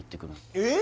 えっ？